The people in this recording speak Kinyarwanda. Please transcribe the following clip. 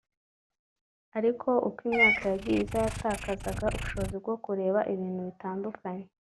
ariko uko imyaka yagiye iza yatakazaga ubushobozi bwo kureba ibintu bitandukanye